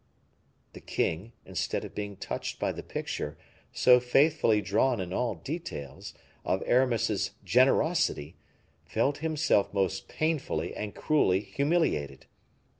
The king, instead of being touched by the picture, so faithfully drawn in all details, of Aramis's generosity, felt himself most painfully and cruelly humiliated.